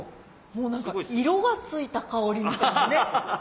もう何か色が付いた香りみたいなね。